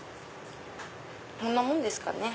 こんなもんですかね。